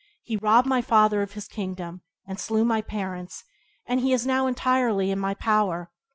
He robbed my father of his kingdom, and slew my parents, and he is now entirely in my power."